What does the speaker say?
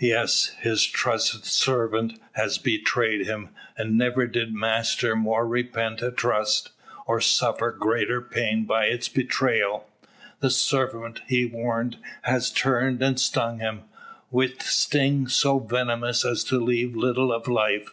Yes; his trusted servant has betrayed him, and never did master more repent a trust, or suffer greater pain by its betrayal. The serpent he warmed has turned and stung him, with sting so venomous as to leave little of life.